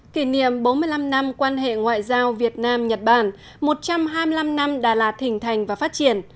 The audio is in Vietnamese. kỷ niệm bốn mươi năm năm quan hệ ngoại giao việt nam nhật bản một trăm hai mươi năm năm đà lạt hình thành và phát triển